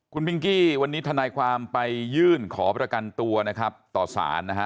คุณพิงกี้วันนี้ทนายความไปยื่นขอประกันตัวนะครับต่อสารนะฮะ